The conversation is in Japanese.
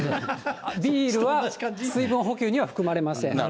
ビールは水分補給には含まれません。